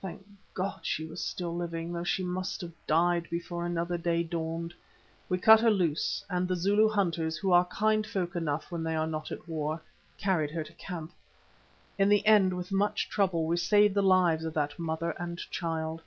Thank God she was still living, though she must have died before another day dawned. We cut her loose, and the Zulu hunters, who are kind folk enough when they are not at war, carried her to camp. In the end with much trouble we saved the lives of that mother and child.